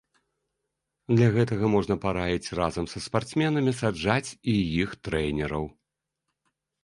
Для гэтага можна параіць разам са спартсменамі саджаць і іх трэнераў.